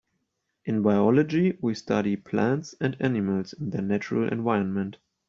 In biology we study plants and animals in their natural environment.